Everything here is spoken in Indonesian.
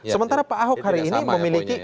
sementara pak ahok hari ini memiliki